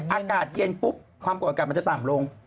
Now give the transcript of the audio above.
อากาศเย็นปุ๊บความกดอากาศมันจะต่ำลง